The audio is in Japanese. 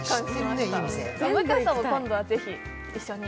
向井さんも今度はぜひ一緒に。